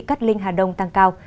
cát linh hà đông tăng cao